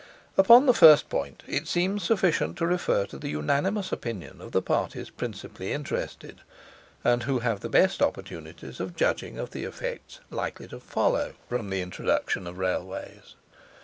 Upon the first point it seems sufficient to refer to the unanimous opinion of the parties principally interested, and who have the best opportunities of judging of the effects likely to follow from the introduction of Railways.